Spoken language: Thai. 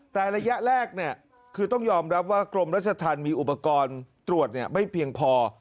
แต่ระยะแรกคือต้องยอมรับว่ากรมราชธรรมมีอุปกรณ์ตรวจไม่เพียงพอ